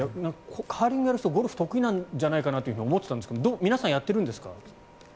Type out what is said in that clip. カーリングをやる人ゴルフ得意なんじゃないかなと思ったんですけど皆さんやってるんですか？